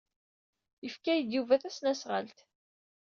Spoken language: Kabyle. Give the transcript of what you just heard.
Yefka-iyi-d Yuba tasnasɣalt.